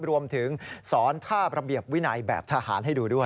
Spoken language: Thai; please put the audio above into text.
รวมถึงสอนท่าระเบียบวินัยแบบทหารให้ดูด้วย